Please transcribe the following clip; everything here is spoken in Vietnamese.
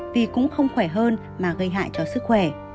vì cũng không khỏe hơn mà gây hại cho sức khỏe